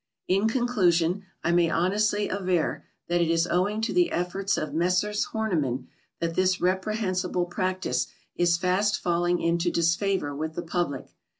In conclusion, I may honestly aver that it is owing to the efforts of Messrs. Horniman that this reprehensible practice is fast falling into disfavour with the public.